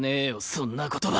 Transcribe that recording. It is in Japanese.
そんな言葉！